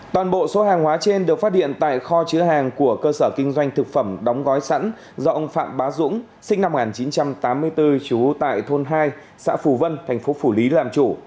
toàn bộ số hàng hóa trên được phát hiện tại kho chứa hàng của cơ sở kinh doanh thực phẩm đóng gói sẵn do ông phạm bá dũng sinh năm một nghìn chín trăm tám mươi bốn trú tại thôn hai xã phù vân thành phố phủ lý làm chủ